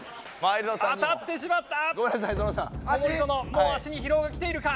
もう足に疲労がきているか？